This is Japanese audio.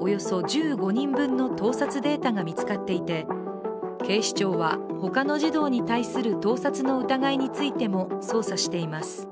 およそ１５人分の盗撮データが見つかっていて警視庁は他の児童に対する盗撮の疑いについても捜査しています。